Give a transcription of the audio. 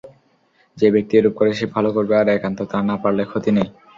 যে ব্যক্তি এরূপ করে সে ভালো করবে আর একান্ত তা না পারলে ক্ষতি নেই।